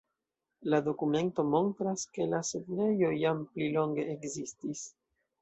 La dokumento montras, ke la setlejo jam pli longe ekzistis.